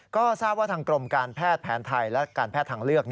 ก็ทราบว่าทางกรมการแพทย์แผนไทยและการแพทย์ทางเลือก